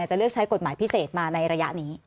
จะเลือกใช้กฎหมายพิเศษมาในระยะนี้